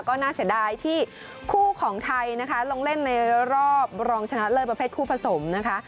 ก็น่าเสียดายที่คู่ของไทยนะคะลงเล่นในรอบรองชนะเลิศประเภทคู่ผสมนะคะ